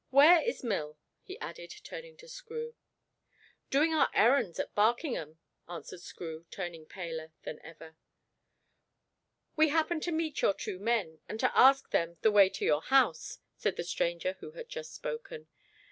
"Where is Mill?" he added, turning to Screw. "Doing our errands at Barkingham," answered Screw, turning paler than ever. "We happened to meet your two men, and to ask them the way to your house," said the stranger who had just spoken.